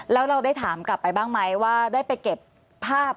แล้วเราได้ถามกลับไปบ้างไหมว่าได้ไปเก็บภาพ